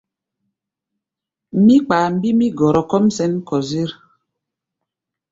Mí kpaá mbimbí gɔrɔ kɔ́ʼm sɛ̌n kɔ-zér.